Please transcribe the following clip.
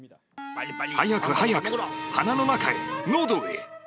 早く早く、鼻の中へ、のどへ。